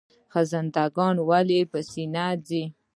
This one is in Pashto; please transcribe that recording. خزنده ګان ولې په سینه ځي؟